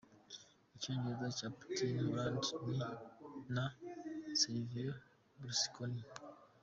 Icyongereza cya Putin, Hollande na Silvio Berlusconi.